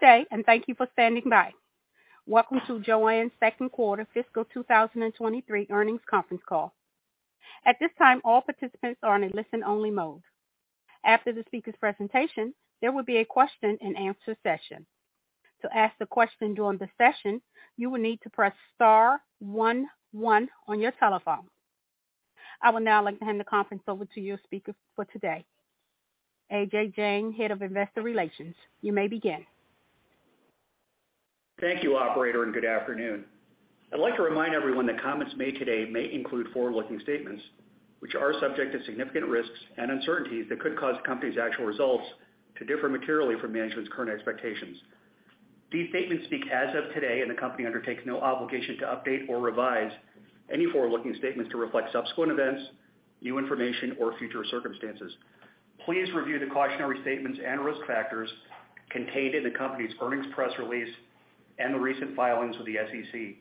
Good day and thank you for standing by. Welcome to JOANN's second quarter fiscal 2023 earnings conference call. At this time, all participants are in listen-only mode. After the speaker's presentation, there will be a question-and-answer session. To ask the question during the session, you will need to press star one one on your telephone. I would now like to hand the conference over to your speaker for today, Ajay Jain, Head of Investor Relations. You may begin. Thank you, operator, and good afternoon. I'd like to remind everyone that comments made today may include forward-looking statements, which are subject to significant risks and uncertainties that could cause the company's actual results to differ materially from management's current expectations. These statements speak as of today, and the company undertakes no obligation to update or revise any forward-looking statements to reflect subsequent events, new information, or future circumstances. Please review the cautionary statements and risk factors contained in the company's earnings press release and the recent filings with the SEC.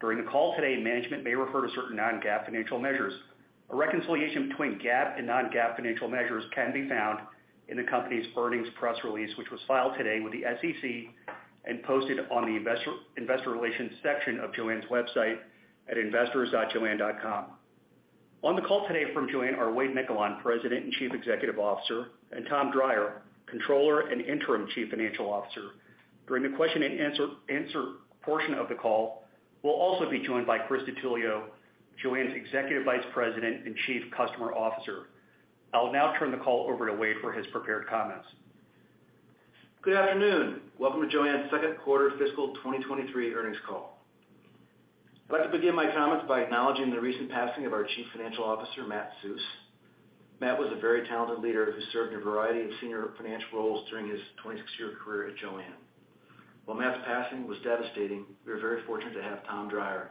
During the call today, management may refer to certain non-GAAP financial measures. A reconciliation between GAAP and non-GAAP financial measures can be found in the company's earnings press release, which was filed today with the SEC and posted on the investor relations section of JOANN's website at investors.joann.com. On the call today from JOANN are Wade Miquelon, President and Chief Executive Officer, and Tom Dryer, Controller and Interim Chief Financial Officer. During the question and answer portion of the call, we'll also be joined by Chris DiTullio, JOANN's Executive Vice President and Chief Customer Officer. I'll now turn the call over to Wade for his prepared comments. Good afternoon. Welcome to JOANN's second quarter fiscal 2023 earnings call. I'd like to begin my comments by acknowledging the recent passing of our Chief Financial Officer, Matt Susz. Matt was a very talented leader who served in a variety of senior financial roles during his 26-year career at JOANN. While Matt's passing was devastating, we are very fortunate to have Tom Dryer,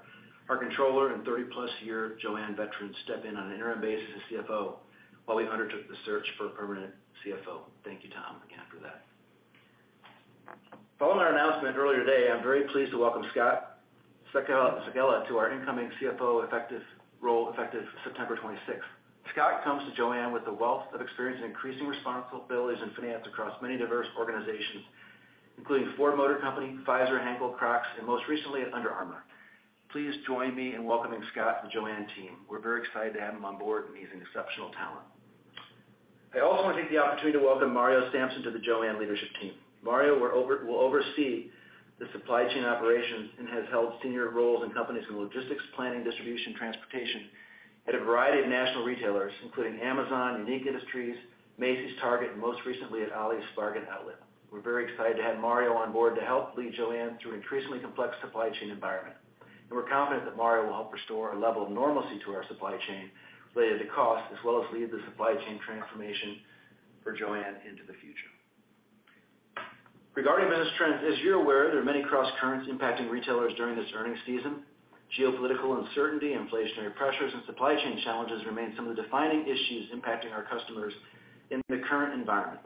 our controller and 30+ year JOANN veteran, step in on an interim basis as CFO while we undertook the search for a permanent CFO. Thank you, Tom, again, for that. Following our announcement earlier today, I'm very pleased to welcome Scott Sekella to our incoming CFO effective role, effective September 26. Scott comes to JOANN with the wealth of experience in increasing responsibilities and finance across many diverse organizations, including Ford Motor Company, Pfizer, Henkel, Crocs, and most recently at Under Armour. Please join me in welcoming Scott to the JOANN team. We're very excited to have him on board, and he's an exceptional talent. I also want to take the opportunity to welcome Mario Sampson into the JOANN leadership team. Mario will oversee the supply chain operations and has held senior roles in companies in logistics, planning, distribution, transportation at a variety of national retailers, including Amazon, Unique Industries, Macy's, Target, and most recently at Ollie's Bargain Outlet. We're very excited to have Mario on board to help lead JOANN through increasingly complex supply chain environment. We're confident that Mario will help restore a level of normalcy to our supply chain related to cost, as well as lead the supply chain transformation for JOANN into the future. Regarding business trends, as you're aware, there are many crosscurrents impacting retailers during this earnings season. Geopolitical uncertainty, inflationary pressures, and supply chain challenges remain some of the defining issues impacting our customers in the current environment.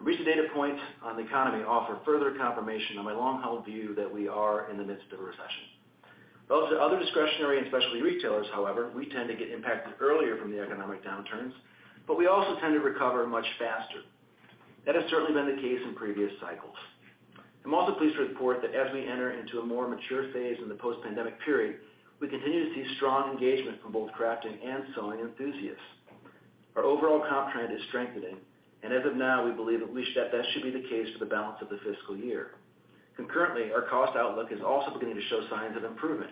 Recent data points on the economy offer further confirmation of my long-held view that we are in the midst of a recession. Relative to other discretionary and specialty retailers, however, we tend to get impacted earlier from the economic downturns, but we also tend to recover much faster. That has certainly been the case in previous cycles. I'm also pleased to report that as we enter into a more mature phase in the post-pandemic period, we continue to see strong engagement from both crafting and sewing enthusiasts. Our overall comp trend is strengthening, and as of now, we believe at least that should be the case for the balance of the fiscal year. Concurrently, our cost outlook is also beginning to show signs of improvement.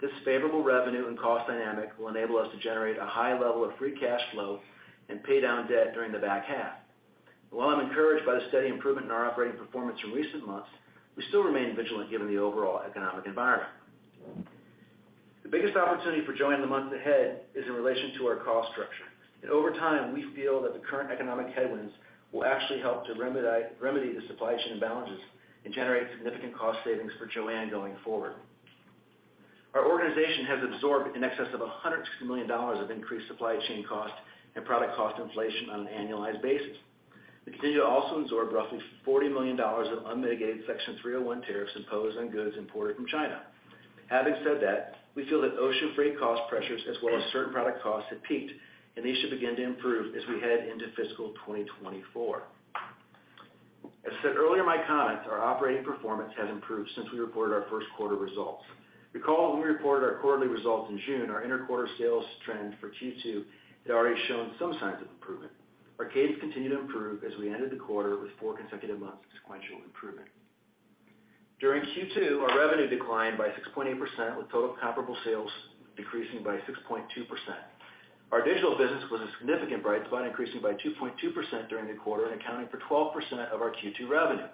This favorable revenue and cost dynamic will enable us to generate a high level of free cash flow and pay down debt during the back half. While I'm encouraged by the steady improvement in our operating performance in recent months, we still remain vigilant given the overall economic environment. The biggest opportunity for JOANN in the months ahead is in relation to our cost structure. Over time, we feel that the current economic headwinds will actually help to remedy the supply chain imbalances and generate significant cost savings for JOANN going forward. Our organization has absorbed in excess of $100 million of increased supply chain cost and product cost inflation on an annualized basis. We continue to also absorb roughly $40 million of unmitigated Section 301 tariffs imposed on goods imported from China. Having said that, we feel that ocean freight cost pressures as well as certain product costs have peaked, and these should begin to improve as we head into fiscal 2024. As said earlier in my comments, our operating performance has improved since we reported our first quarter results. Recall when we reported our quarterly results in June, our inter-quarter sales trend for Q2 had already shown some signs of improvement. Our pace continued to improve as we ended the quarter with four consecutive months of sequential improvement. During Q2, our revenue declined by 6.8%, with total comparable sales decreasing by 6.2%. Our digital business was a significant bright spot, increasing by 2.2% during the quarter and accounting for 12% of our Q2 revenue.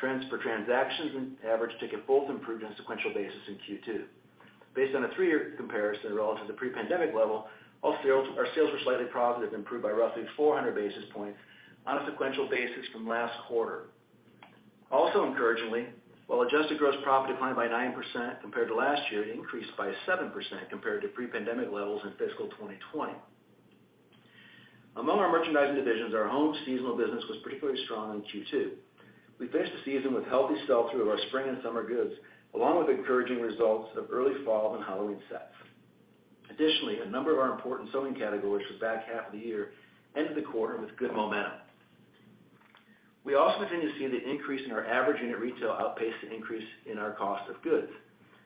Trends for transactions and average ticket both improved on a sequential basis in Q2. Based on a three-year comparison relative to pre-pandemic level, all sales, our sales were slightly positive, improved by roughly 400 basis points on a sequential basis from last quarter. Also encouragingly, while adjusted gross profit declined by 9% compared to last year, it increased by 7% compared to pre-pandemic levels in fiscal 2020. Among our merchandising divisions, our home seasonal business was particularly strong in Q2. We finished the season with healthy sell-through of our spring and summer goods, along with encouraging results of early fall and Halloween sets. Additionally, a number of our important sewing categories for the back half of the year ended the quarter with good momentum. We also continue to see the increase in our average unit retail outpace the increase in our cost of goods.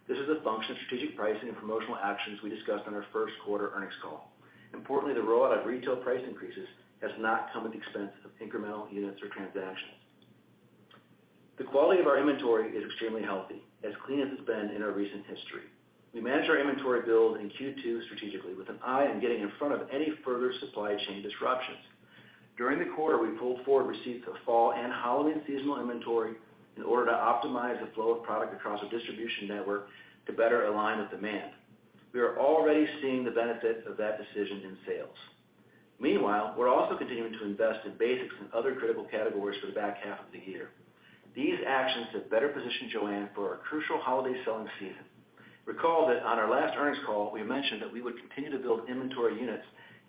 This is a function of strategic pricing and promotional actions we discussed on our first quarter earnings call. Importantly, the rollout of retail price increases has not come at the expense of incremental units or transactions. The quality of our inventory is extremely healthy, as clean as it's been in our recent history. We managed our inventory build in Q2 strategically, with an eye on getting in front of any further supply chain disruptions. During the quarter, we pulled forward receipts of fall and holiday seasonal inventory in order to optimize the flow of product across our distribution network to better align with demand. We are already seeing the benefits of that decision in sales. Meanwhile, we're also continuing to invest in basics and other critical categories for the back half of the year. These actions have better positioned JOANN for our crucial holiday selling season. Recall that on our last earnings call, we mentioned that we would continue to build inventory units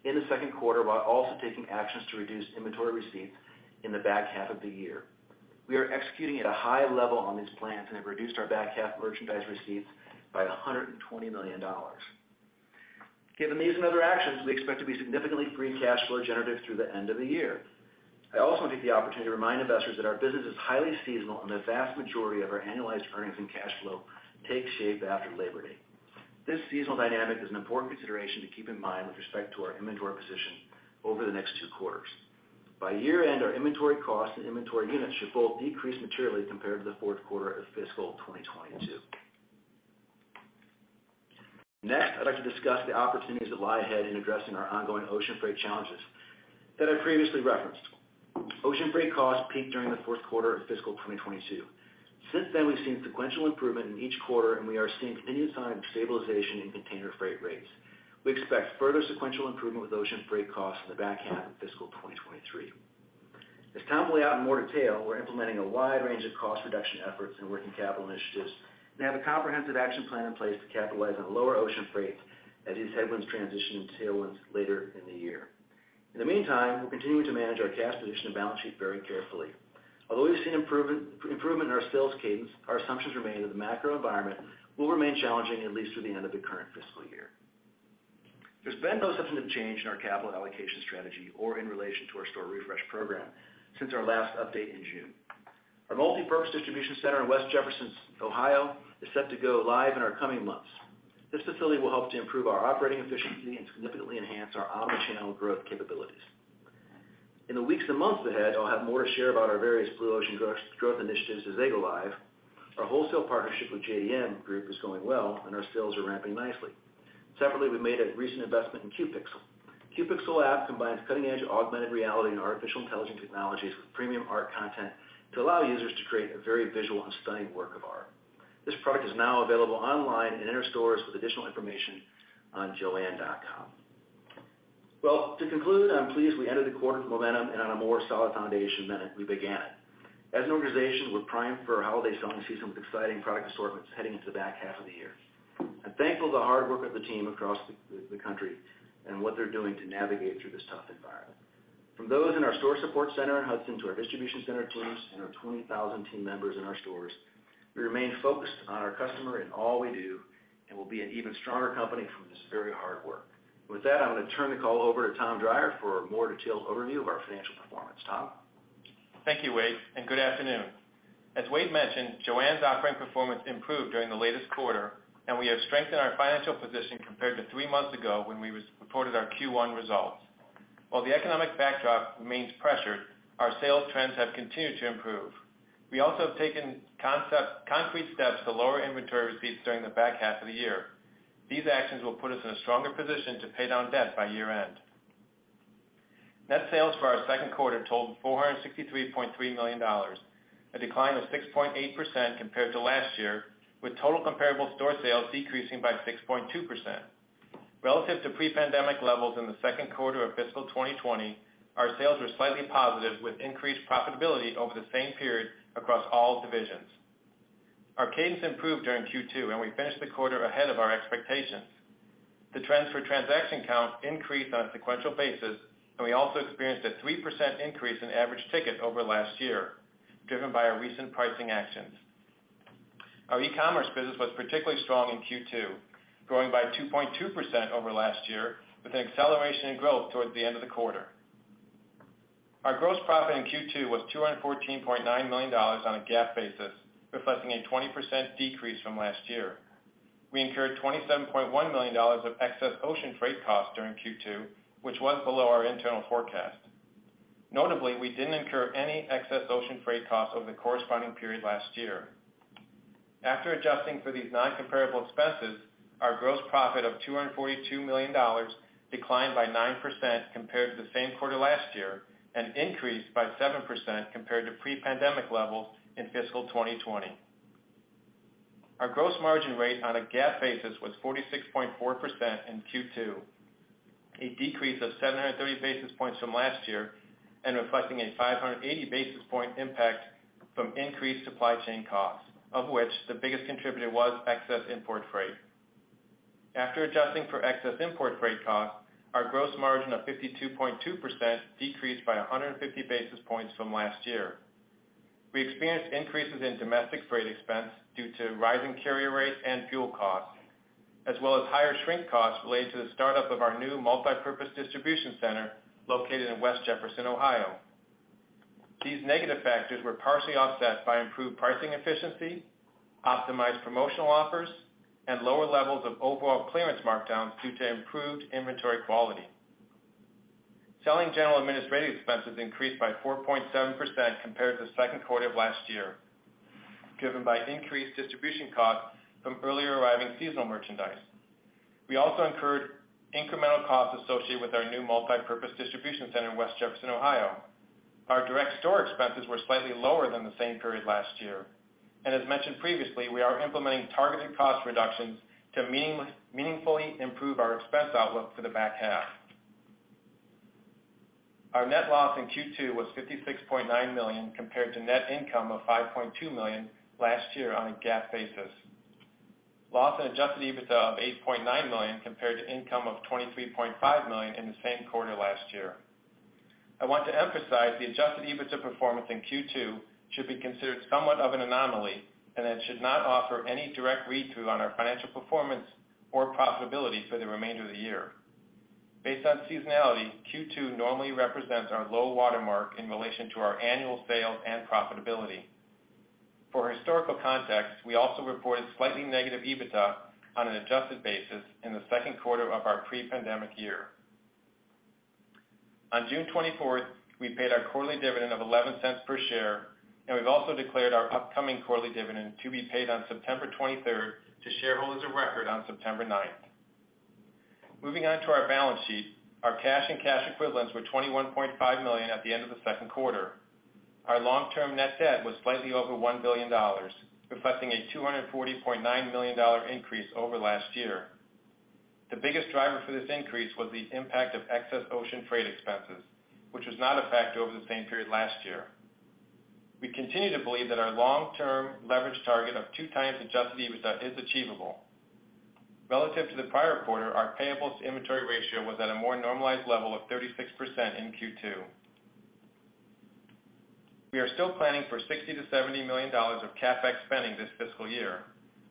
in the second quarter while also taking actions to reduce inventory receipts in the back half of the year. We are executing at a high level on these plans and have reduced our back half merchandise receipts by $120 million. Given these and other actions, we expect to be significantly free cash flow generative through the end of the year. I also want to take the opportunity to remind investors that our business is highly seasonal, and the vast majority of our annualized earnings and cash flow take shape after Labor Day. This seasonal dynamic is an important consideration to keep in mind with respect to our inventory position over the next two quarters. By year-end, our inventory costs and inventory units should both decrease materially compared to the fourth quarter of fiscal 2022. Next, I'd like to discuss the opportunities that lie ahead in addressing our ongoing ocean freight challenges that I previously referenced. Ocean freight costs peaked during the fourth quarter of fiscal 2022. Since then, we've seen sequential improvement in each quarter, and we are seeing continued signs of stabilization in container freight rates. We expect further sequential improvement with ocean freight costs in the back half of fiscal 2023. As Tom will lay out in more detail, we're implementing a wide range of cost reduction efforts and working capital initiatives and have a comprehensive action plan in place to capitalize on lower ocean freight as these headwinds transition into tailwinds later in the year. In the meantime, we're continuing to manage our cash position and balance sheet very carefully. Although we've seen improvement in our sales cadence, our assumptions remain that the macro environment will remain challenging at least through the end of the current fiscal year. There's been no substantive change in our capital allocation strategy or in relation to our store refresh program since our last update in June. Our multipurpose distribution center in West Jefferson, Ohio, is set to go live in our coming months. This facility will help to improve our operating efficiency and significantly enhance our omnichannel growth capabilities. In the weeks and months ahead, I'll have more to share about our various Blue Ocean growth initiatives as they go live. Our wholesale partnership with JDM Group is going well, and our sales are ramping nicely. Separately, we made a recent investment in Cupixel. Cupixel app combines cutting-edge augmented reality and artificial intelligence technologies with premium art content to allow users to create a very visual and stunning work of art. This product is now available online and in our stores with additional information on joann.com. Well, to conclude, I'm pleased we ended the quarter with momentum and on a more solid foundation than we began it. As an organization, we're primed for our holiday selling season with exciting product assortments heading into the back half of the year. I'm thankful of the hard work of the team across the country and what they're doing to navigate through this tough environment. From those in our store support center in Hudson to our distribution center teams and our 20,000 team members in our stores, we remain focused on our customer in all we do and will be an even stronger company from this very hard work. With that, I'm gonna turn the call over to Tom Dryer for a more detailed overview of our financial performance. Tom? Thank you, Wade, and good afternoon. As Wade mentioned, JOANN's operating performance improved during the latest quarter, and we have strengthened our financial position compared to three months ago when we reported our Q1 results. While the economic backdrop remains pressured, our sales trends have continued to improve. We also have taken concrete steps to lower inventory receipts during the back half of the year. These actions will put us in a stronger position to pay down debt by year-end. Net sales for our second quarter totaled $463.3 million, a decline of 6.8% compared to last year, with total comparable store sales decreasing by 6.2%. Relative to pre-pandemic levels in the second quarter of fiscal 2020, our sales were slightly positive with increased profitability over the same period across all divisions. Our cadence improved during Q2, and we finished the quarter ahead of our expectations. The trends for transaction count increased on a sequential basis, and we also experienced a 3% increase in average ticket over last year, driven by our recent pricing actions. Our e-commerce business was particularly strong in Q2, growing by 2.2% over last year, with an acceleration in growth towards the end of the quarter. Our gross profit in Q2 was $214.9 million on a GAAP basis, reflecting a 20% decrease from last year. We incurred $27.1 million of excess ocean freight costs during Q2, which was below our internal forecast. Notably, we didn't incur any excess ocean freight costs over the corresponding period last year. After adjusting for these non-comparable expenses, our gross profit of $242 million declined by 9% compared to the same quarter last year and increased by 7% compared to pre-pandemic levels in fiscal 2020. Our gross margin rate on a GAAP basis was 46.4% in Q2, a decrease of 730 basis points from last year, and reflecting a 580 basis point impact from increased supply chain costs, of which the biggest contributor was excess import freight. After adjusting for excess import freight costs, our gross margin of 52.2% decreased by 150 basis points from last year. We experienced increases in domestic freight expense due to rising carrier rates and fuel costs, as well as higher shrink costs related to the start-up of our new multipurpose distribution center located in West Jefferson, Ohio. These negative factors were partially offset by improved pricing efficiency, optimized promotional offers, and lower levels of overall clearance markdowns due to improved inventory quality. Selling, general, and administrative expenses increased by 4.7% compared to the second quarter of last year, driven by increased distribution costs from earlier arriving seasonal merchandise. We also incurred incremental costs associated with our new multipurpose distribution center in West Jefferson, Ohio. Our direct store expenses were slightly lower than the same period last year. As mentioned previously, we are implementing targeted cost reductions to meaningfully improve our expense outlook for the back half. Our net loss in Q2 was $56.9 million compared to net income of $5.2 million last year on a GAAP basis. Loss in adjusted EBITDA of $8.9 million compared to income of $23.5 million in the same quarter last year. I want to emphasize the adjusted EBITDA performance in Q2 should be considered somewhat of an anomaly, and it should not offer any direct read-through on our financial performance or profitability for the remainder of the year. Based on seasonality, Q2 normally represents our low watermark in relation to our annual sales and profitability. For historical context, we also reported slightly negative EBITDA on an adjusted basis in the second quarter of our pre-pandemic year. On June 24th, we paid our quarterly dividend of $0.11 per share, and we've also declared our upcoming quarterly dividend to be paid on September 23rd to shareholders of record on September 9th. Moving on to our balance sheet. Our cash and cash equivalents were $21.5 million at the end of the second quarter. Our long-term net debt was slightly over $1 billion, reflecting a $240.9 million increase over last year. The biggest driver for this increase was the impact of excess ocean freight expenses, which was not a factor over the same period last year. We continue to believe that our long-term leverage target of 2x adjusted EBITDA is achievable. Relative to the prior quarter, our payables inventory ratio was at a more normalized level of 36% in Q2. We are still planning for $60 million-$70 million of CapEx spending this fiscal year.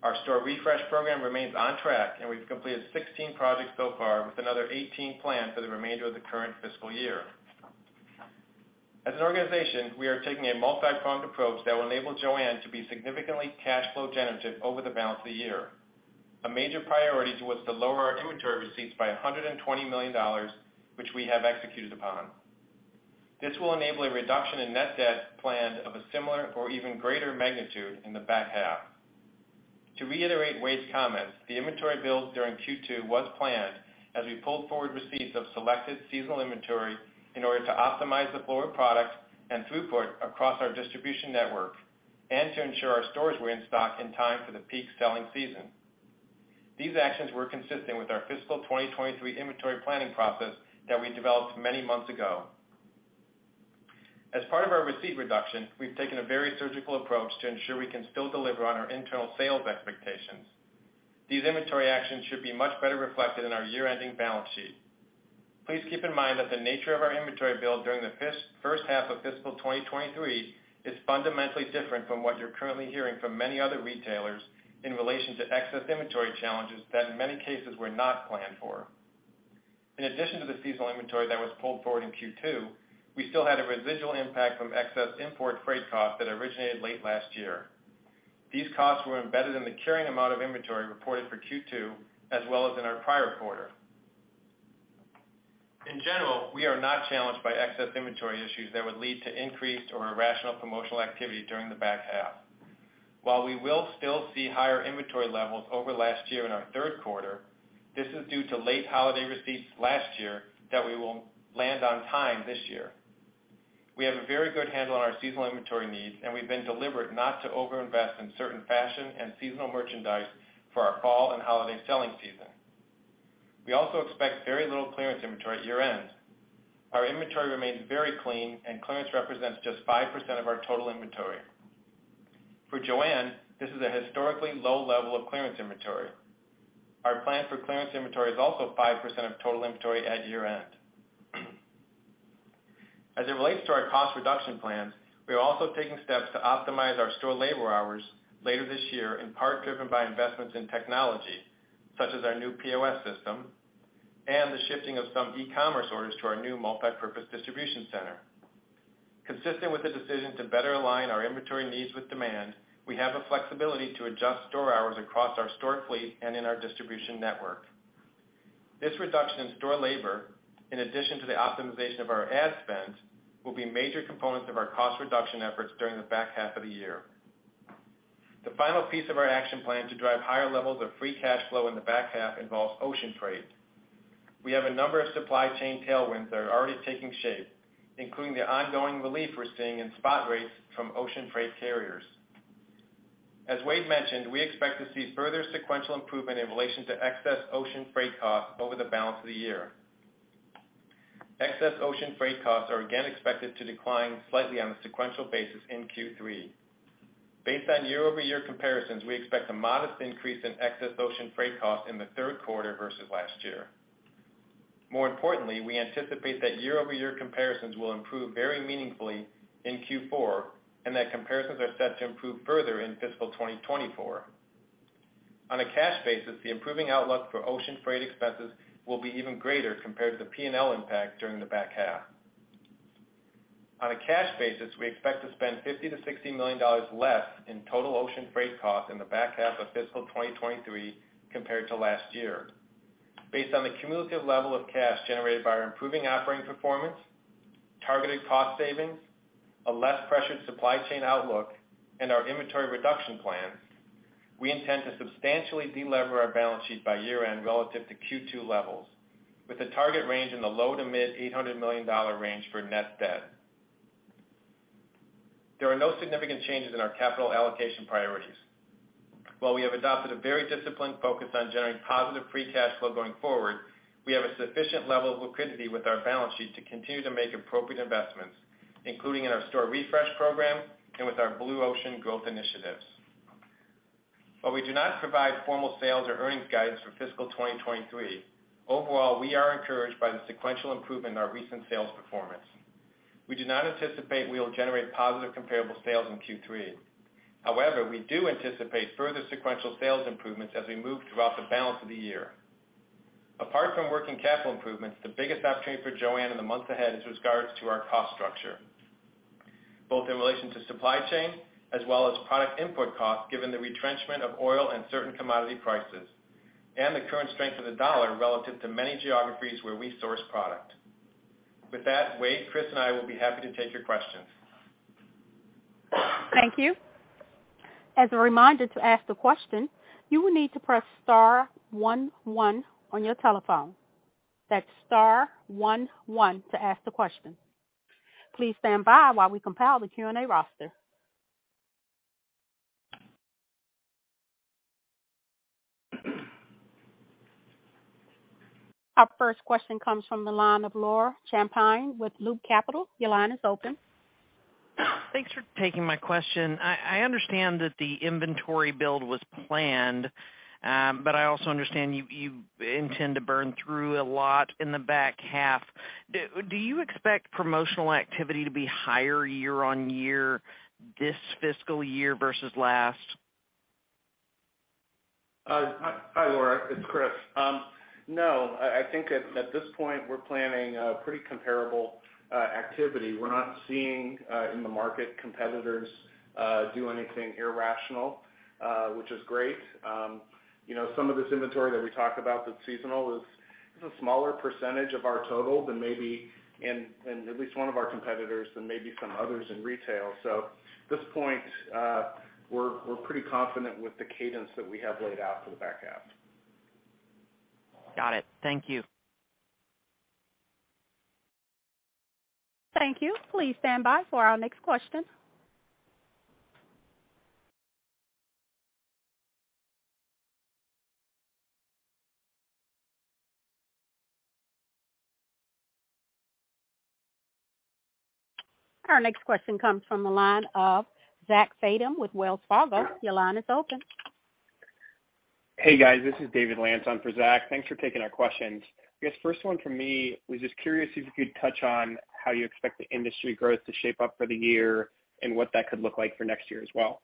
Our store refresh program remains on track, and we've completed 16 projects so far, with another 18 planned for the remainder of the current fiscal year. As an organization, we are taking a multipronged approach that will enable JOANN to be significantly cash flow generative over the balance of the year. A major priority was to lower our inventory receipts by $120 million, which we have executed upon. This will enable a reduction in net debt planned of a similar or even greater magnitude in the back half. To reiterate Wade's comments, the inventory build during Q2 was planned as we pulled forward receipts of selected seasonal inventory in order to optimize the flow of products and throughput across our distribution network and to ensure our stores were in stock in time for the peak selling season. These actions were consistent with our fiscal 2023 inventory planning process that we developed many months ago. As part of our receipt reduction, we've taken a very surgical approach to ensure we can still deliver on our internal sales expectations. These inventory actions should be much better reflected in our year-ending balance sheet. Please keep in mind that the nature of our inventory build during the first half of fiscal 2023 is fundamentally different from what you're currently hearing from many other retailers in relation to excess inventory challenges that in many cases were not planned for. In addition to the seasonal inventory that was pulled forward in Q2, we still had a residual impact from excess import freight costs that originated late last year. These costs were embedded in the carrying amount of inventory reported for Q2, as well as in our prior quarter. In general, we are not challenged by excess inventory issues that would lead to increased or irrational promotional activity during the back half. While we will still see higher inventory levels over last year in our third quarter, this is due to late holiday receipts last year that we will land on time this year. We have a very good handle on our seasonal inventory needs, and we've been deliberate not to overinvest in certain fashion and seasonal merchandise for our fall and holiday selling season. We also expect very little clearance inventory at year-end. Our inventory remains very clean, and clearance represents just 5% of our total inventory. For JOANN, this is a historically low level of clearance inventory. Our plan for clearance inventory is also 5% of total inventory at year-end. As it relates to our cost reduction plans, we are also taking steps to optimize our store labor hours later this year, in part driven by investments in technology, such as our new POS system and the shifting of some e-commerce orders to our new multipurpose distribution center. Consistent with the decision to better align our inventory needs with demand, we have the flexibility to adjust store hours across our store fleet and in our distribution network. This reduction in store labor, in addition to the optimization of our ad spend, will be major components of our cost reduction efforts during the back half of the year. The final piece of our action plan to drive higher levels of free cash flow in the back half involves ocean freight. We have a number of supply chain tailwinds that are already taking shape, including the ongoing relief we're seeing in spot rates from ocean freight carriers. As Wade mentioned, we expect to see further sequential improvement in relation to excess ocean freight costs over the balance of the year. Excess ocean freight costs are again expected to decline slightly on a sequential basis in Q3. Based on year-over-year comparisons, we expect a modest increase in excess ocean freight costs in the third quarter versus last year. More importantly, we anticipate that year-over-year comparisons will improve very meaningfully in Q4 and that comparisons are set to improve further in fiscal 2024. On a cash basis, the improving outlook for ocean freight expenses will be even greater compared to the P&L impact during the back half. On a cash basis, we expect to spend $50 million-$60 million less in total ocean freight costs in the back half of fiscal 2023 compared to last year. Based on the cumulative level of cash generated by our improving operating performance, targeted cost savings, a less pressured supply chain outlook, and our inventory reduction plans, we intend to substantially de-lever our balance sheet by year-end relative to Q2 levels with a target range in the low- to mid-$800 million range for net debt. There are no significant changes in our capital allocation priorities. While we have adopted a very disciplined focus on generating positive free cash flow going forward, we have a sufficient level of liquidity with our balance sheet to continue to make appropriate investments, including in our store refresh program and with our Blue Ocean growth initiatives. While we do not provide formal sales or earnings guidance for fiscal 2023, overall, we are encouraged by the sequential improvement in our recent sales performance. We do not anticipate we will generate positive comparable sales in Q3. However, we do anticipate further sequential sales improvements as we move throughout the balance of the year. Apart from working capital improvements, the biggest opportunity for JOANN in the months ahead is in regard to our cost structure, both in relation to supply chain as well as product input costs, given the retrenchment of oil and certain commodity prices and the current strength of the dollar relative to many geographies where we source product. With that, Wade, Chris, and I will be happy to take your questions. Thank you. As a reminder to ask the question, you will need to press star one one on your telephone. That's star one one to ask the question. Please stand by while we compile the Q&A roster. Our first question comes from the line of Laura Champine with Loop Capital. Your line is open. Thanks for taking my question. I understand that the inventory build was planned. I also understand you intend to burn through a lot in the back half. Do you expect promotional activity to be higher year on year this fiscal year versus last? Hi, Laura, it's Chris. No, I think at this point, we're planning pretty comparable activity. We're not seeing in the market competitors do anything irrational, which is great. You know, some of this inventory that we talked about that's seasonal is a smaller percentage of our total than maybe in at least one of our competitors and maybe some others in retail. At this point, we're pretty confident with the cadence that we have laid out for the back half. Got it. Thank you. Thank you. Please stand by for our next question. Our next question comes from the line of Zach Fadem with Wells Fargo. Your line is open. Hey, guys. This is David Lantz for Zach. Thanks for taking our questions. I guess first one from me was just curious if you could touch on how you expect the industry growth to shape up for the year and what that could look like for next year as well.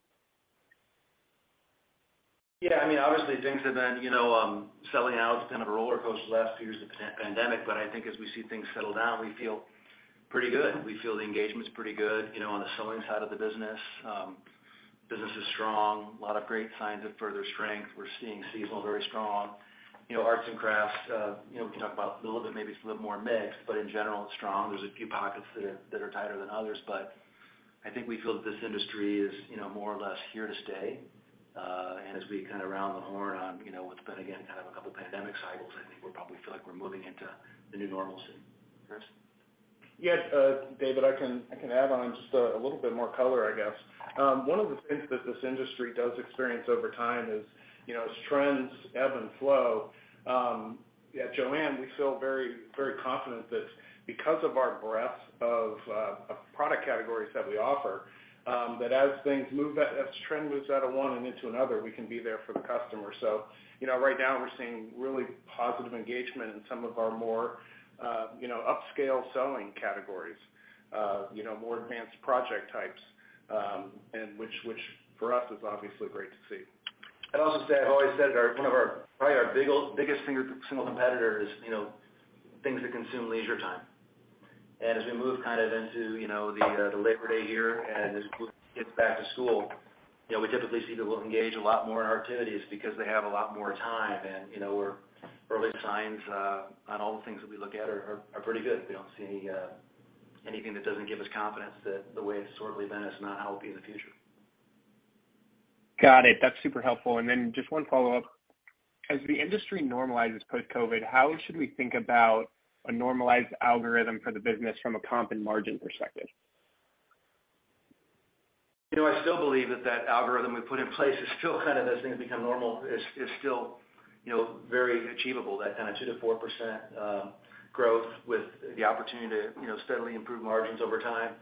Yeah, I mean, obviously things have been, you know, selling out. It's kind of a rollercoaster the last few years of post-pandemic, but I think as we see things settle down, we feel pretty good. We feel the engagement's pretty good. You know, on the sewing side of the business is strong, a lot of great signs of further strength. We're seeing seasonal very strong. You know, arts and crafts, you know, we can talk about a little bit, maybe it's a little more mixed, but in general it's strong. There's a few pockets that are tighter than others. I think we feel that this industry is, you know, more or less here to stay. As we kind of around the horn on, you know, what's been, again, kind of a couple pandemic cycles, I think we'll probably feel like we're moving into the new normalcy. Chris? Yes, David, I can add on just a little bit more color, I guess. One of the things that this industry does experience over time is, you know, as trends ebb and flow, at JOANN, we feel very, very confident that because of our breadth of product categories that we offer, that as things move, as trend moves out of one and into another, we can be there for the customer. You know, right now we're seeing really positive engagement in some of our more, you know, upscale selling categories, you know, more advanced project types, and which for us is obviously great to see. I'd also say, I've always said one of our probably our biggest single competitor is, you know, things that consume leisure time. As we move kind of into, you know, the Labor Day era and as kids get back to school, you know, we typically see people engage a lot more in our activities because they have a lot more time. Early signs on all the things that we look at are pretty good. We don't see anything that doesn't give us confidence that the way it's historically been is not how it will be in the future. Got it. That's super helpful. Just one follow-up. As the industry normalizes post-COVID, how should we think about a normalized algorithm for the business from a comp and margin perspective? You know, I still believe that algorithm we put in place is still kind of, as things become normal, is still very achievable, that kind of 2%-4% growth with the opportunity to steadily improve margins over time.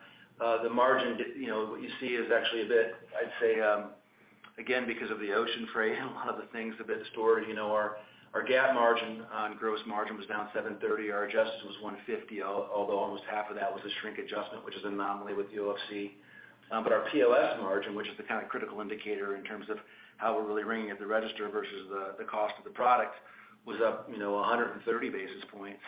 The margin, what you see is actually a bit, I'd say. Again, because of the ocean freight and a lot of the things have been stored, you know, our GAAP margin on gross margin was down 730, our adjusted was 150, although almost half of that was a shrink adjustment, which is an anomaly with UFC. Our POS margin, which is the kind of critical indicator in terms of how we're really ringing at the register versus the cost of the product was up, you know, 130 basis points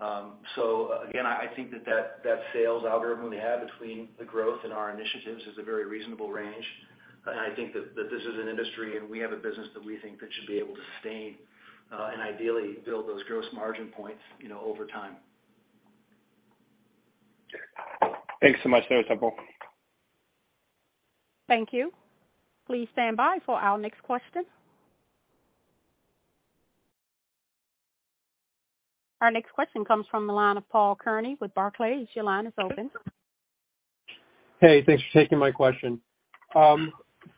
year-over-year. Again, I think that sales algorithm we have between the growth and our initiatives is a very reasonable range. I think that this is an industry and we have a business that we think that should be able to sustain and ideally build those gross margin points, you know, over time. Thanks so much. That was helpful. Thank you. Please stand by for our next question. Our next question comes from the line of Paul Kearney with Barclays. Your line is open. Hey, thanks for taking my question.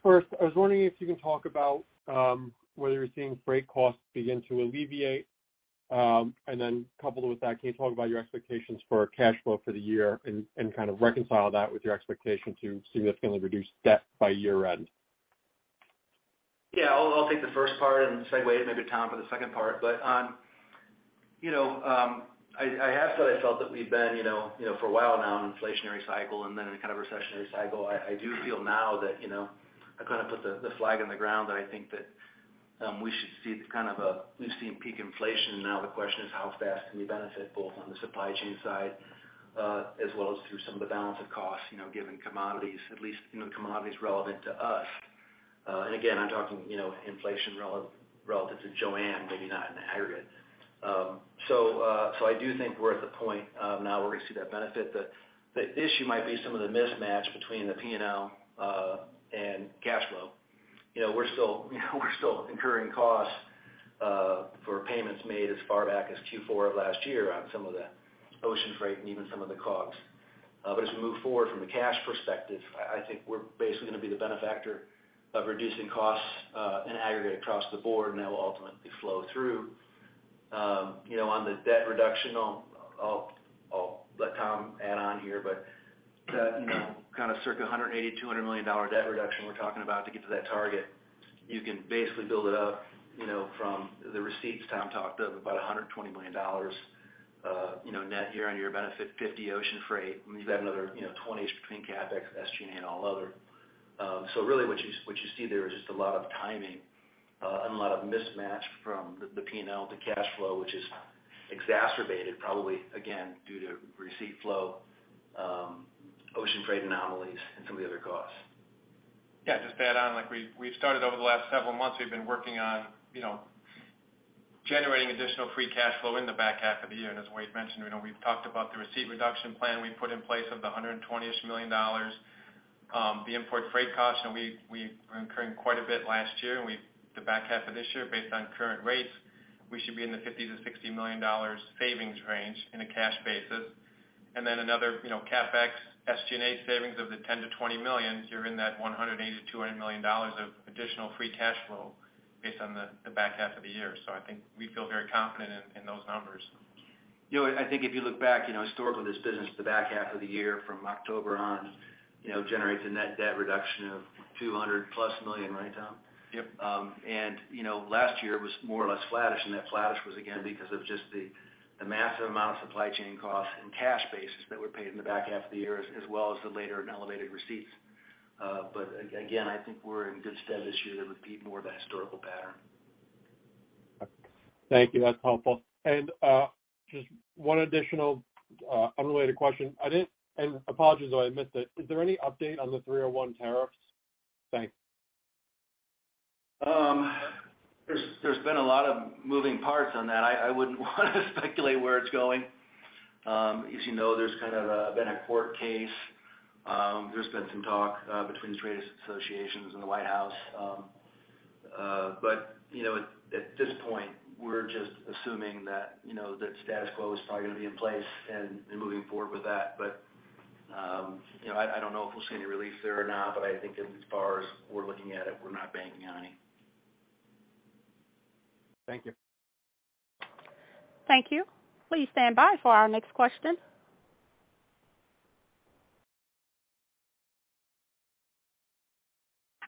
First, I was wondering if you can talk about whether you're seeing freight costs begin to alleviate. Coupled with that, can you talk about your expectations for cash flow for the year and kind of reconcile that with your expectation to significantly reduce debt by year-end? I'll take the first part and segue maybe Tom for the second part. You know, I have said I felt that we've been you know for a while now in an inflationary cycle and then in a kind of recessionary cycle. I do feel now that you know I kind of put the flag in the ground that I think that we should see we've seen peak inflation. Now the question is how fast can we benefit both on the supply chain side as well as through some of the balance of costs you know given commodities at least you know commodities relevant to us. Again, I'm talking you know inflation relative to JOANN maybe not in the aggregate. I do think we're at the point now where we see that benefit. The issue might be some of the mismatch between the P&L and cash flow. You know, we're still incurring costs for payments made as far back as Q4 of last year on some of the ocean freight and even some of the COGS. As we move forward from a cash perspective, I think we're basically gonna be the beneficiary of reducing costs in aggregate across the board, and that will ultimately flow through. You know, on the debt reduction, I'll let Tom add on here, but that, you know, kind of circa $180 million-$200 million debt reduction we're talking about to get to that target, you can basically build it up, you know, from the receipts Tom talked of, about $120 million, you know, net year-over-year benefit, $50 million ocean freight. You've got another, you know, $20-ish million between CapEx, SG&A, and all other. Really what you see there is just a lot of timing, and a lot of mismatch from the P&L to cash flow, which is exacerbated probably again, due to receipt flow, ocean freight anomalies and some of the other costs. Yeah, just to add on, like, we've started over the last several months. We've been working on, you know, generating additional free cash flow in the back half of the year. As Wade mentioned, you know, we've talked about the receipt reduction plan we put in place of the $120-ish million, the import freight costs, and we were incurring quite a bit last year. The back half of this year, based on current rates, we should be in the $50 million-$60 million savings range on a cash basis. Then another, you know, CapEx, SG&A savings of the $10 million-$20 million, you're in that $180 million-$200 million of additional free cash flow based on the back half of the year. I think we feel very confident in those numbers. You know, I think if you look back, you know, historically this business, the back half of the year from October on, you know, generates a net debt reduction of $200+ million, right, Tom? Yep. You know, last year was more or less flattish, and that flattish was again because of just the massive amount of supply chain costs and cash basis that were paid in the back half of the year as well as the later and elevated receipts. Again, I think we're in good stead this year to repeat more of that historical pattern. Thank you. That's helpful. Just one additional, unrelated question. I didn't, and apologies if I missed it, is there any update on the Section 301 tariffs? Thanks. There's been a lot of moving parts on that. I wouldn't wanna speculate where it's going. As you know, there's kind of been a court case. There's been some talk between the trade associations and the White House. You know, at this point, we're just assuming that, you know, the status quo is probably gonna be in place and moving forward with that. You know, I don't know if we'll see any release there or not, but I think as far as we're looking at it, we're not banking on any. Thank you. Thank you. Please stand by for our next question.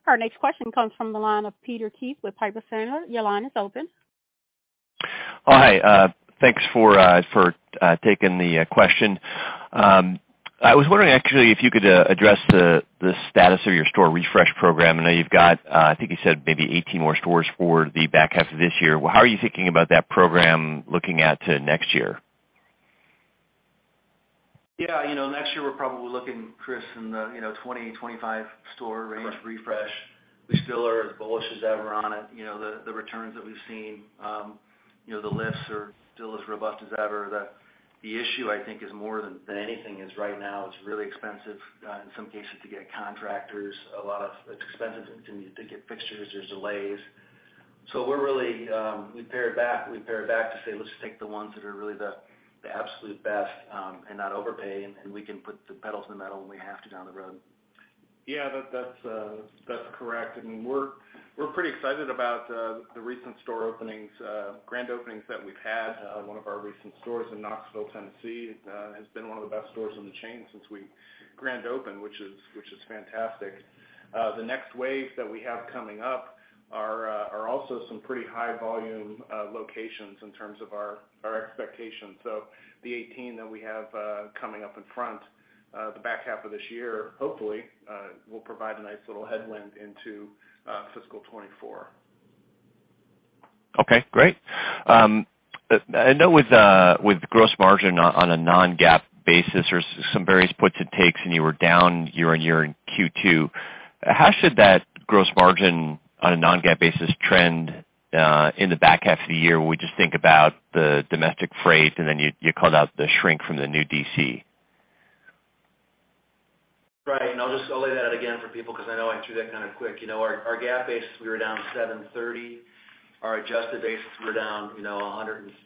Our next question comes from the line of Peter Keith with Piper Sandler. Your line is open. Oh, hi. Thanks for taking the question. I was wondering actually if you could address the status of your store refresh program. I know you've got, I think you said maybe 18 more stores for the back half of this year. How are you thinking about that program looking out to next year? You know, next year we're probably looking, Chris, in the you know, 20-25 store range refresh. We still are as bullish as ever on it. You know, the returns that we've seen, you know, the lifts are still as robust as ever. The issue I think is more than anything is right now it's really expensive in some cases to get contractors, it's expensive to get fixtures. There's delays. We're really we pared back to say, let's take the ones that are really the absolute best, and not overpay, and we can put the pedal to the metal when we have to down the road. That's correct. I mean, we're pretty excited about the recent store openings, grand openings that we've had. One of our recent stores in Knoxville, Tennessee, has been one of the best stores in the chain since we grand opened, which is fantastic. The next wave that we have coming up are also some pretty high volume locations in terms of our expectations. The 18 that we have coming up in the back half of this year, hopefully, will provide a nice little headwind into fiscal 2024. Okay, great. I know with gross margin on a non-GAAP basis, there's some various puts and takes, and you were down year-over-year in Q2. How should that gross margin on a non-GAAP basis trend in the back half of the year when we just think about the domestic freight and then you called out the shrink from the new DC? Right. I'll lay that out again for people because I know I threw that kind of quick. You know, our GAAP basis, we were down 730. Our adjusted basis, we're down, you know, 150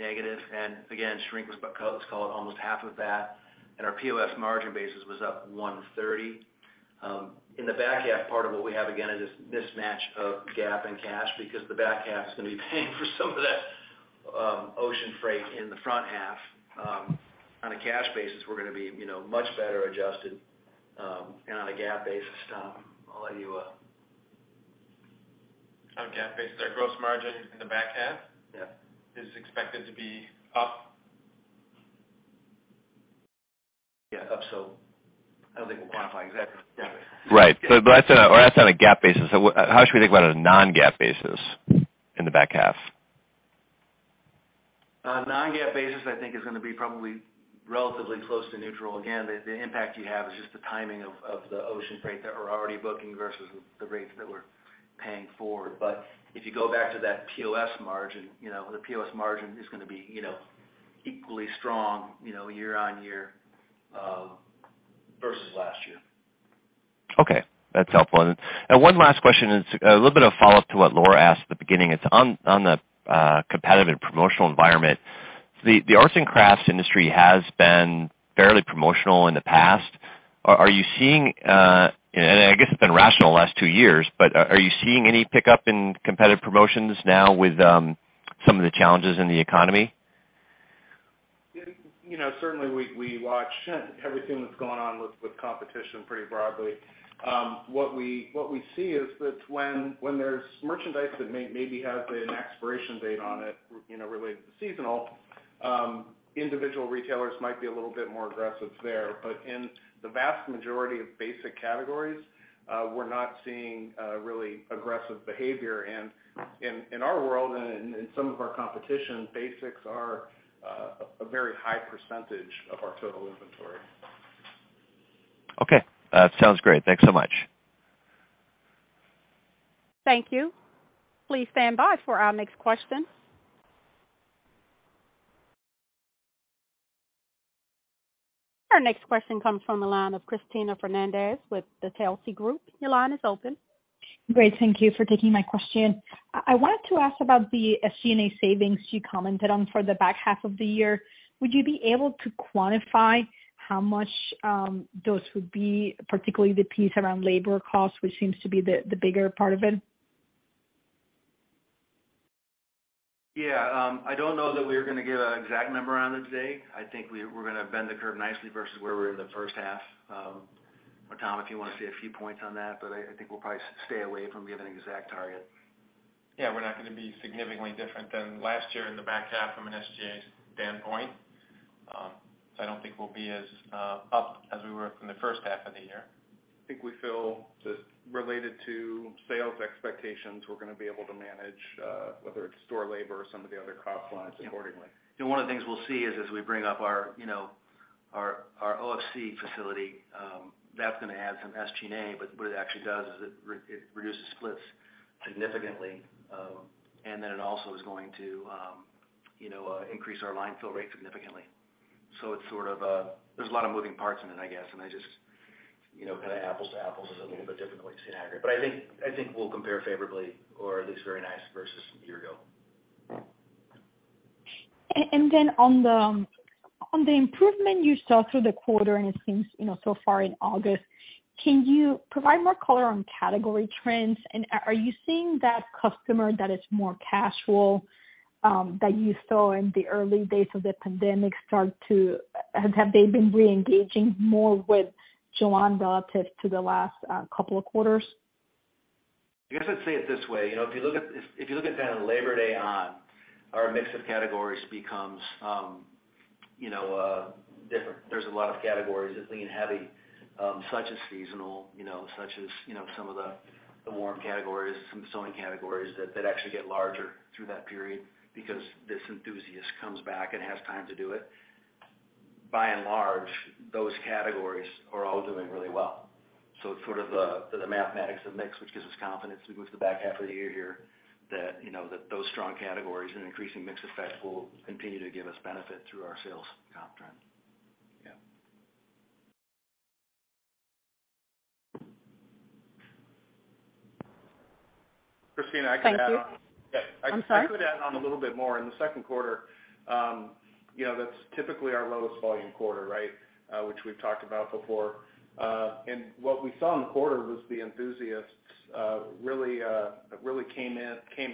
negative. Again, shrink was, let's call it almost half of that. Our POS margin basis was up 130. In the back half, part of what we have again is this mismatch of GAAP and cash because the back half is gonna be paying for some of that, ocean freight in the front half. On a cash basis, we're gonna be, you know, much better adjusted, and on a GAAP basis, I'll let you. On a GAAP basis, our gross margin in the back half. Yeah is expected to be up. I don't think we'll quantify exactly. Right. That's on a GAAP basis. How should we think about it on non-GAAP basis in the back half? On non-GAAP basis, I think it's gonna be probably relatively close to neutral. Again, the impact you have is just the timing of the ocean freight that we're already booking versus the rates that we're paying forward. If you go back to that POS margin, you know, the POS margin is gonna be, you know, equally strong, you know, year-on-year versus last year. Okay, that's helpful. One last question is a little bit of follow-up to what Laura asked at the beginning. It's on the competitive and promotional environment. The arts and crafts industry has been fairly promotional in the past. Are you seeing. I guess it's been rational the last two years, but are you seeing any pickup in competitive promotions now with some of the challenges in the economy? You know, certainly we watch everything that's going on with competition pretty broadly. What we see is that when there's merchandise that maybe has an expiration date on it, you know, related to seasonal, individual retailers might be a little bit more aggressive there. In the vast majority of basic categories, we're not seeing really aggressive behavior. In our world and in some of our competition, basics are a very high percentage of our total inventory. Okay. Sounds great. Thanks so much. Thank you. Please stand by for our next question. Our next question comes from the line of Cristina Fernandez with Telsey Advisory Group. Your line is open. Great. Thank you for taking my question. I wanted to ask about the SG&A savings you commented on for the back half of the year. Would you be able to quantify how much those would be, particularly the piece around labor costs, which seems to be the bigger part of it? Yeah. I don't know that we're gonna give an exact number on it today. I think we're gonna bend the curve nicely versus where we were in the first half. Tom, if you wanna say a few points on that, but I think we'll probably stay away from giving an exact target. Yeah, we're not gonna be significantly different than last year in the back half from an SG&A standpoint. I don't think we'll be as up as we were from the first half of the year. I think we feel just related to sales expectations, we're gonna be able to manage whether it's store labor or some of the other cost lines accordingly. One of the things we'll see is as we bring up our, you know, our OFC facility, that's gonna add some SG&A, but what it actually does is it reduces splits significantly. It also is going to, you know, increase our line fill rate significantly. It's sort of a, there's a lot of moving parts in it, I guess. I just, you know, kinda apples to apples is a little bit different way to say it. I think we'll compare favorably or at least very nicely versus a year ago. On the improvement you saw through the quarter and it seems, you know, so far in August, can you provide more color on category trends? Are you seeing that customer that is more casual that you saw in the early days of the pandemic have they been reengaging more with JOANN relative to the last couple of quarters? I guess I'd say it this way, you know, if you look at kinda Labor Day on, our mix of categories becomes, you know, different. There's a lot of categories that lean heavy, such as seasonal, such as some of the warm categories, some sewing categories that actually get larger through that period because this enthusiast comes back and has time to do it. By and large, those categories are all doing really well. Sort of the mathematics of mix, which gives us confidence as we move to the back half of the year here, that those strong categories and increasing mix effect will continue to give us benefit through our sales comp trend. Yeah. Cristina, I could add on. Thank you. Yeah. I'm sorry. I could add on a little bit more. In the second quarter, you know, that's typically our lowest volume quarter, right? Which we've talked about before. What we saw in the quarter was the enthusiasts really came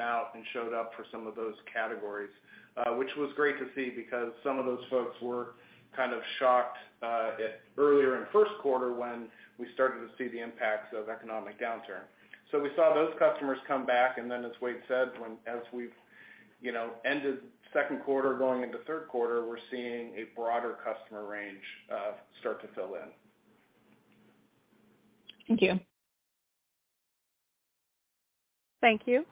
out and showed up for some of those categories, which was great to see because some of those folks were kind of shocked earlier in the first quarter when we started to see the impacts of economic downturn. We saw those customers come back, and then as Wade said, as we've you know ended second quarter going into third quarter, we're seeing a broader customer range start to fill in. Thank you. Thank you.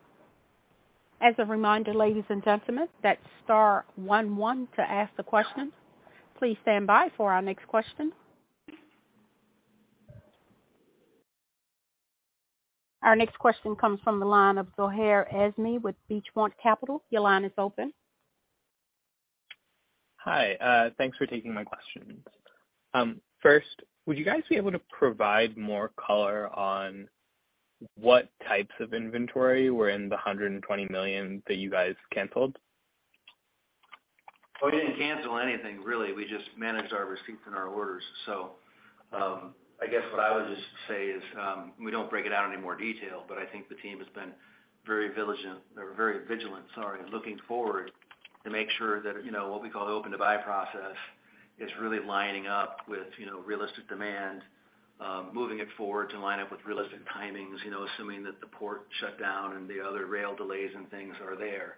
As a reminder, ladies and gentlemen, that's star one one to ask the question. Please stand by for our next question. Our next question comes from the line of Zohair Azmi with Beach Point Capital. Your line is open. Hi, thanks for taking my questions. First, would you guys be able to provide more color on what types of inventory were in the $120 million that you guys canceled? We didn't cancel anything, really. We just managed our receipts and our orders. I guess what I would just say is, we don't break it out in any more detail, but I think the team has been very diligent or very vigilant, sorry, looking forward to make sure that, you know, what we call open to buy process is really lining up with, you know, realistic demand, moving it forward to line up with realistic timings, you know, assuming that the port shut down and the other rail delays and things are there.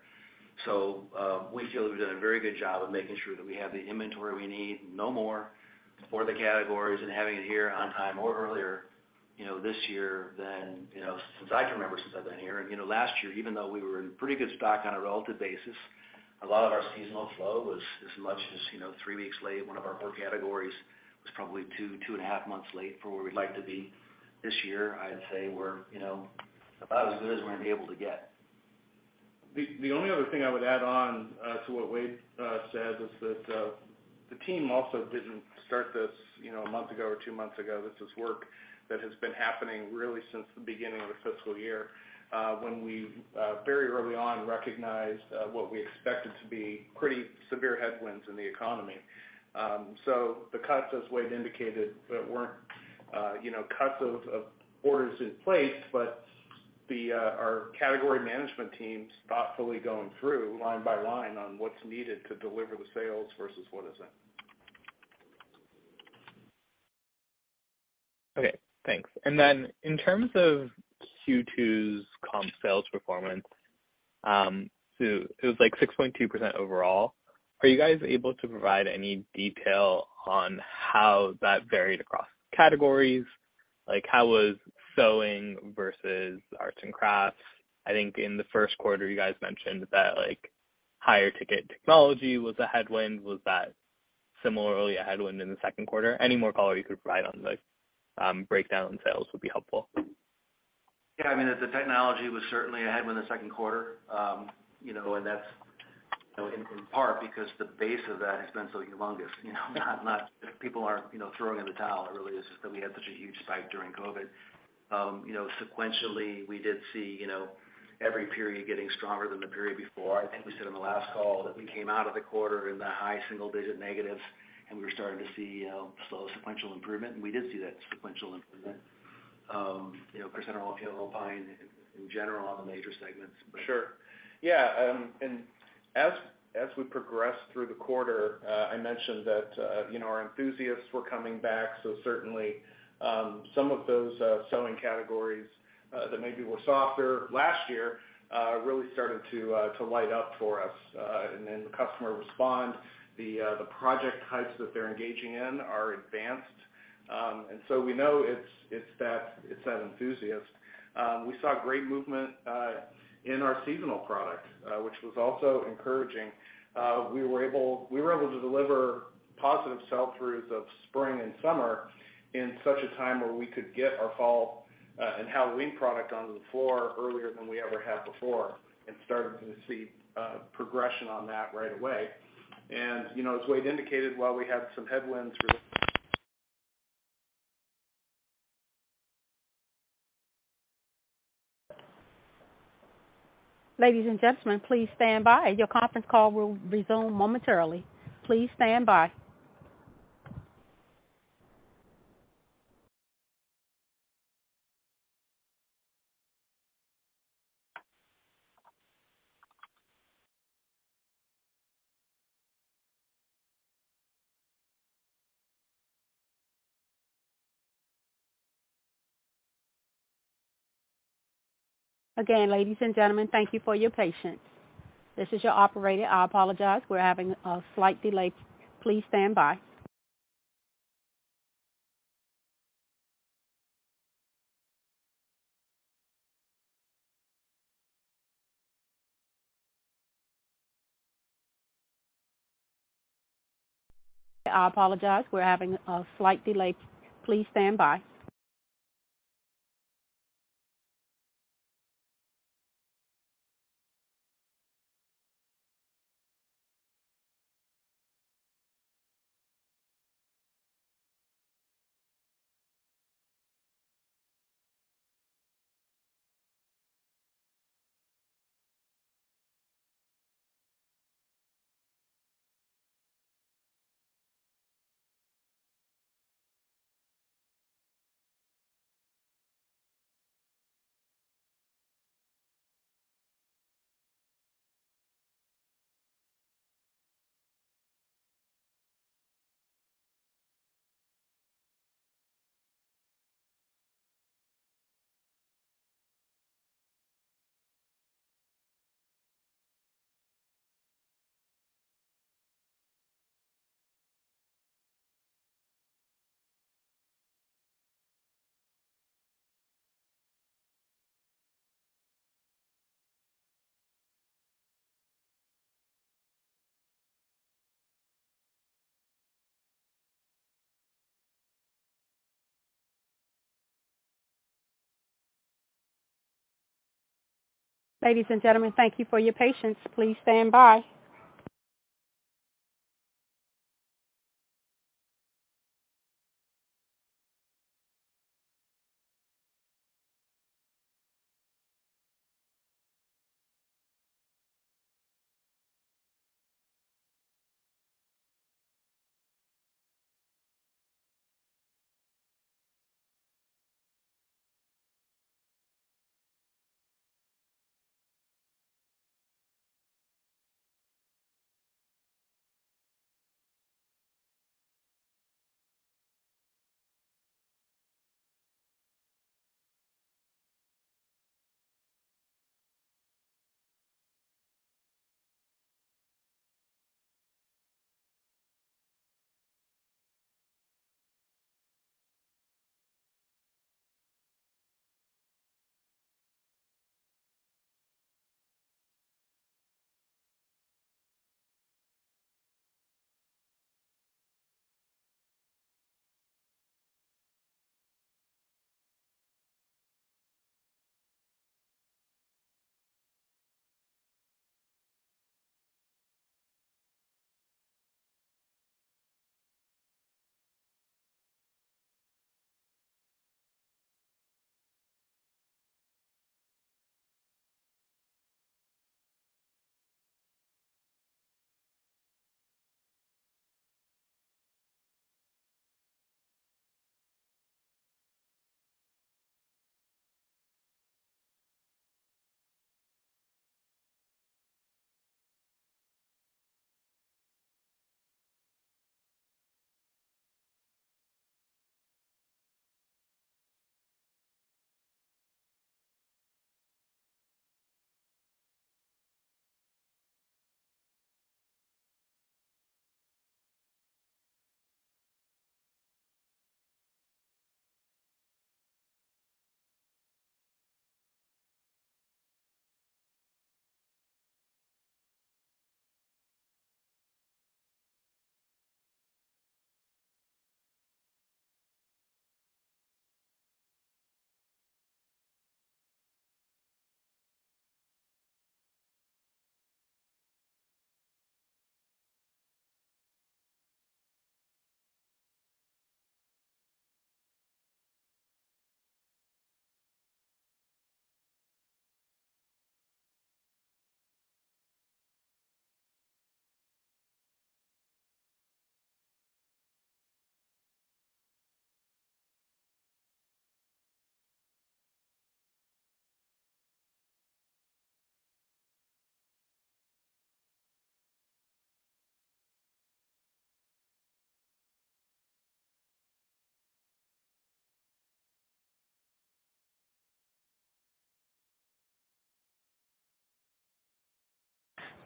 We feel we've done a very good job of making sure that we have the inventory we need, no more for the categories and having it here on time or earlier, you know, this year than, you know, since I can remember, since I've been here. You know, last year, even though we were in pretty good stock on a relative basis, a lot of our seasonal flow was as much as, you know, three weeks late. One of our core categories was probably 2.5 Months late for where we'd like to be. This year, I'd say we're, you know, about as good as we're gonna be able to get. The only other thing I would add on to what Wade said is that the team also didn't start this, you know, a month ago or two months ago. This is work that has been happening really since the beginning of the fiscal year when we very early on recognized what we expected to be pretty severe headwinds in the economy. The cuts, as Wade indicated, that weren't, you know, cuts of orders in place, but our category management teams thoughtfully going through line by line on what's needed to deliver the sales versus what isn't. Okay, thanks. In terms of Q2's comp sales performance, so it was like 6.2% overall. Are you guys able to provide any detail on how that varied across categories? Like, how was sewing versus arts and crafts? I think in the first quarter, you guys mentioned that, like, higher ticket technology was a headwind. Was that similarly a headwind in the second quarter? Any more color you could provide on, like, breakdown sales would be helpful. Yeah, I mean, the technology was certainly a headwind in the second quarter. You know, that's in part because the base of that has been so humongous. You know, not that people aren't, you know, throwing in the towel, it really is just that we had such a huge spike during COVID. You know, sequentially, we did see, you know, every period getting stronger than the period before. I think we said on the last call that we came out of the quarter in the high single digit negatives, and we're starting to see slow sequential improvement. We did see that sequential improvement, percent online in general on the major segments. Sure. Yeah, as we progress through the quarter, I mentioned that, you know, our enthusiasts were coming back. Certainly, some of those sewing categories that maybe were softer last year really started to light up for us. The customer responds. The project types that they're engaging in are advanced. We know it's that enthusiast. We saw great movement in our seasonal products, which was also encouraging. We were able to deliver positive sell-throughs of spring and summer in such a time where we could get our fall and Halloween product onto the floor earlier than we ever have before and started to see progression on that right away. You know, as Wade indicated, while we have some headwinds. Ladies and gentlemen, please stand by. Your conference call will resume momentarily. Please stand by. Again, ladies and gentlemen, thank you for your patience. This is your operator. I apologize. We're having a slight delay. Please stand by.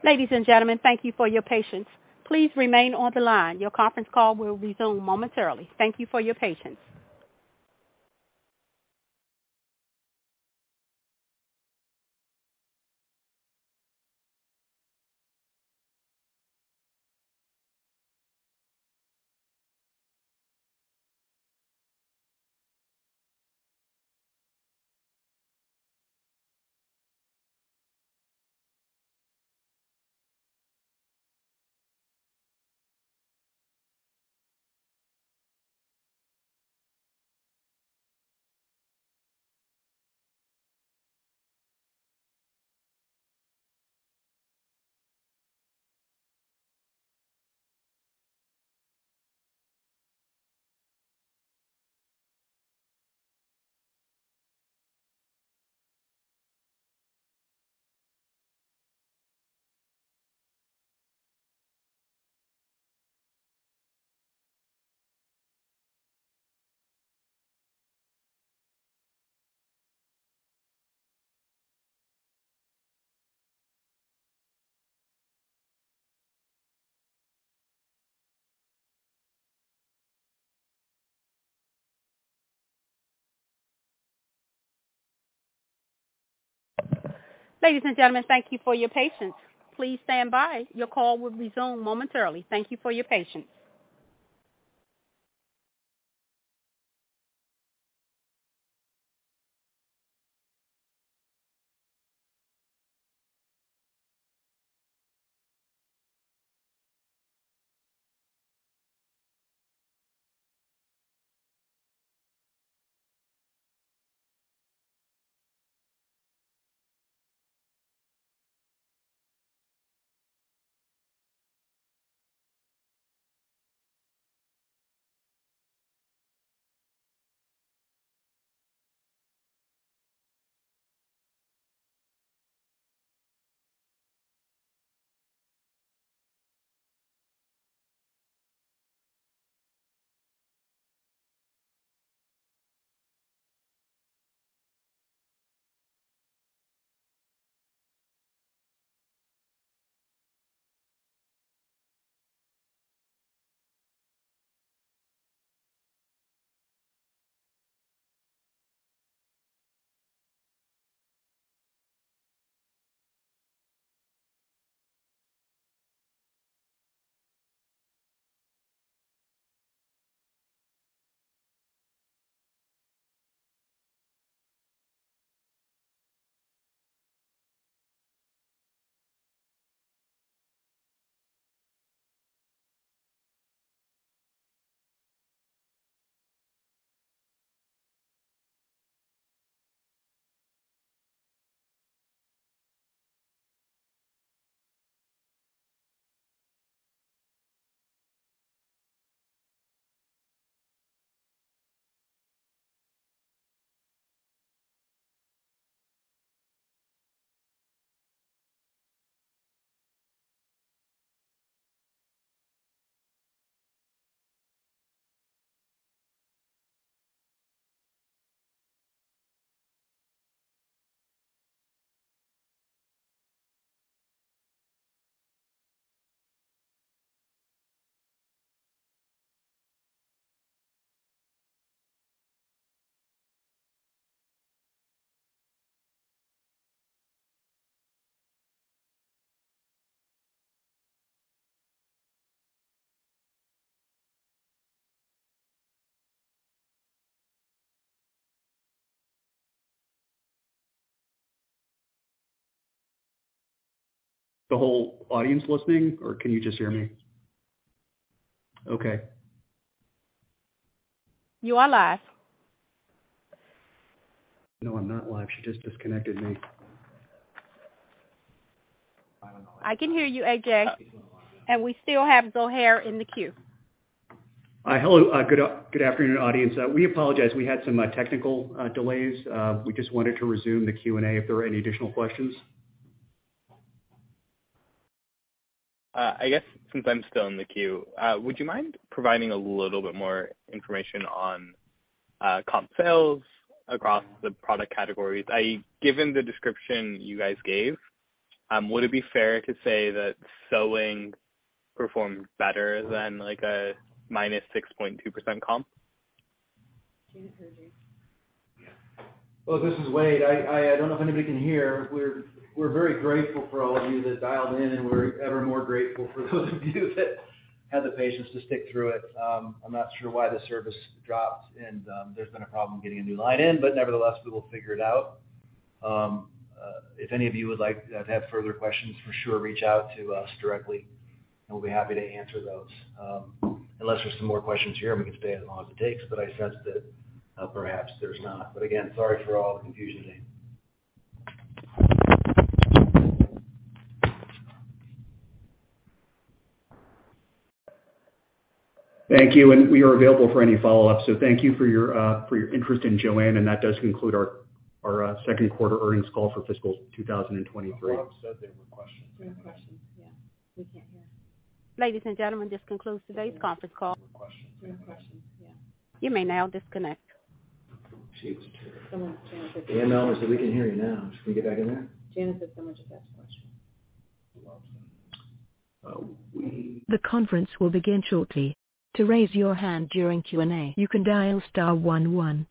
Ladies and gentlemen, thank you for your patience. Please remain on the line. Your conference call will resume momentarily. Thank you for your patience. Ladies and gentlemen, thank you for your patience. Please stand by. Your call will resume momentarily. Thank you for your patience. The whole audience listening, or can you just hear me? Okay. You are live. No, I'm not live. She just disconnected me. I can hear you, AJ. We still have Zohair in the queue. Hello. Good afternoon, audience. We apologize. We had some technical delays. We just wanted to resume the Q&A if there are any additional questions. I guess since I'm still in the queue, would you mind providing a little bit more information on, comp sales across the product categories? Given the description you guys gave, would it be fair to say that sewing performed better than, like, a -6.2% comp? Can you hear me? Yeah. Look, this is Wade. I don't know if anybody can hear. We're very grateful for all of you that dialed in, and we're ever more grateful for those of you that had the patience to stick through it. I'm not sure why the service dropped and there's been a problem getting a new line in, but nevertheless, we will figure it out. If any of you would have further questions, for sure, reach out to us directly, and we'll be happy to answer those. Unless there's some more questions here, and we can stay as long as it takes, but I sense that perhaps there's not. Again, sorry for all the confusion today. Thank you. We are available for any follow-up. Thank you for your interest in JOANN. That does conclude our second quarter earnings call for fiscal 2023. The blog said there were questions. There were questions. Yeah. We can't hear. Ladies and gentlemen, this concludes today's conference call. Questions. Questions. Yeah. You may now disconnect. She's. Someone. The good news is that we can hear you now. Can we get back in there? Janet says someone just asked a question. Uh, we. The conference will begin shortly. To raise your hand during Q&A, you can dial star one one.